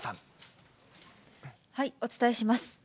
お伝えします。